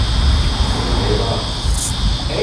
Tenɣiḍ-aɣ-tt.